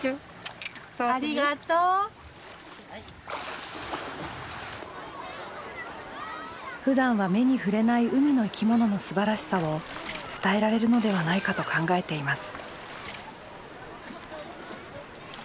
ありがとう。ふだんは目に触れない海の生き物のすばらしさを伝えられるのではないかと考えています。